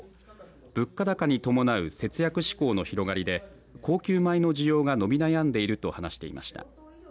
物価高に伴う節約志向の広がりで高級米の需要が伸び悩んでいると話していました。